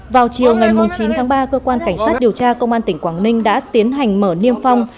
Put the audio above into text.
vào chiều ngày chín tháng ba cơ quan cảnh sát điều tra công an tỉnh quảng ninh đã tiến hành mở niêm phong